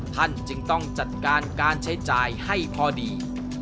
ท่านจึงต้องจัดการการใช้จ่ายให้พอดี